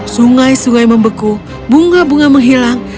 sungai sungai membeku bunga bunga menghilang